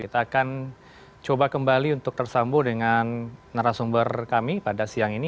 kita akan coba kembali untuk tersambung dengan narasumber kami pada siang ini